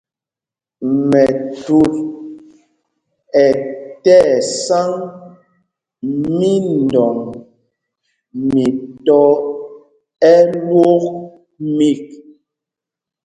Mɛthut ɛ́ tí ɛsáŋ mídɔŋ mi tɔ̄ ɛlwók mîk.